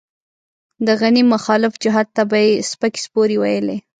د غني مخالف جهت ته به يې سپکې سپورې ويلې.